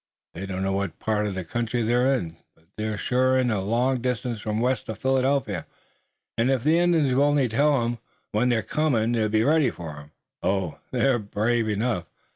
They don't know what part of the country they're in, but they're sure it's a long distance west of Philadelphia, and if the Indians will only tell 'em when they're coming they'll be ready for 'em. Oh, they're brave enough!